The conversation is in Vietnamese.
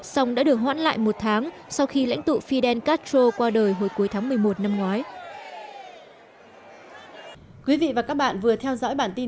xong đã được hoãn lại một tháng sau khi lãnh tụ fidel castro qua đời hồi cuối tháng một mươi một năm ngoái